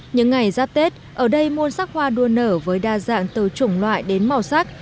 những ngày giáp tết ở đây môn sắc hoa đua nở với đa dạng từ chủng loại đến màu sắc